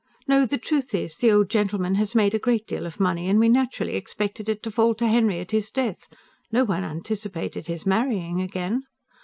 No, the truth is, the old gentleman has made a great deal of money, and we naturally expected it to fall to Henry at his death; no one anticipated his marrying again.